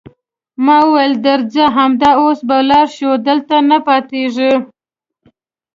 ما وویل: درځه، همدا اوس به ولاړ شو، دلته نه پاتېږو.